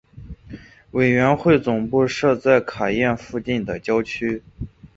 委员会总部设在卡宴附近的郊区。